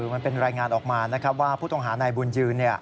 มันเป็นรายงานออกมาว่าผู้ต้องหาในบุญยืน